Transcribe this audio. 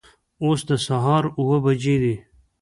اوس د سهار اوه بجې دي